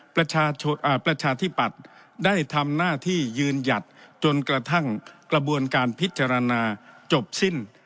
ประชาธิปัตย์ได้ทำหน้าที่ยืนหยัดจนกระทั่งกระบวนการพิจารณาจบสิ้น